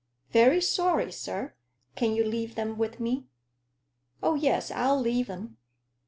"Very sorry, sir. Can you leave them with me?" "Oh, yes, I'll leave them.